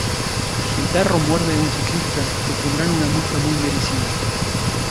Si el perro muerde a un ciclista, te pondrán una multa muy merecida.